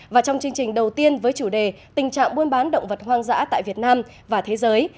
và trong chương trình đầu tiên với chủ đề tình trạng buôn bán động vật hoang dã tại việt nam và thế giới